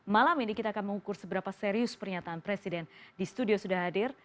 malam ini kita akan mengukur seberapa serius pernyataan presiden di studio sudah hadir